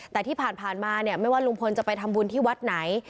แต่ที่ผ่านมาเนี่ยไม่ว่าลุงพลจะไปทำบุญที่วัดไหน